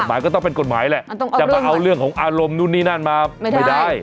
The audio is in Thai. หมายก็ต้องเป็นกฎหมายแหละจะมาเอาเรื่องของอารมณ์นู่นนี่นั่นมาไม่ได้